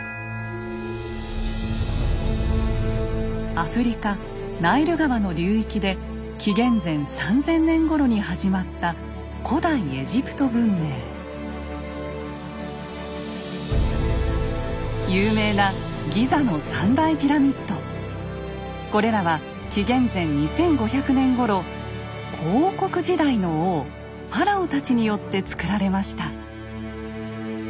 アフリカナイル川の流域で紀元前３０００年ごろに始まった有名なこれらは紀元前２５００年ごろ古王国時代の王ファラオたちによってつくられました。